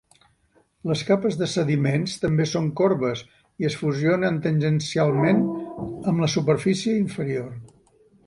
Les capes de sediments també són corbes i es fusionen tangencialment amb la superfície inferior.